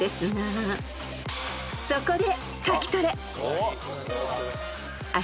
［そこで］